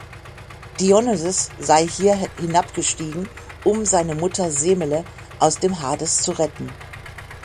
Dionysos sei hier hinabgestiegen, um seine Mutter Semele aus dem Hades zu retten.